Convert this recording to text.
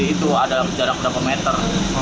itu ada jarak dokumenter